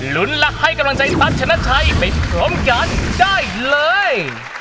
หลุนลักษณ์ให้กำลังใจทัศน์ชนะชัยไปพร้อมกันได้เลย